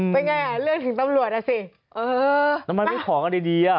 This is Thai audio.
เป็นไงอ่ะเลือกถึงตำรวจอ่ะสิเออทำไมไม่ขอกันดีอ่ะ